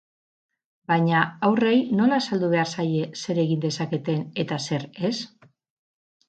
Baina, haurrei nola azaldu behar zaie zer egin dezaketen eta zer ez?